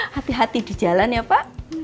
hati hati di jalan ya pak